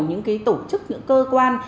những tổ chức những cơ quan